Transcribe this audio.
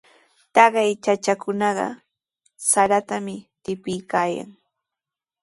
Taqay chachakunaqa saratami tipiykaayan.